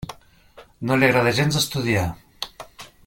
No li agrada gens estudiar.